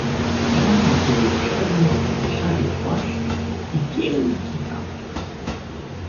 "Miał na sobie obszerny, szary płaszcz i wielki kaptur."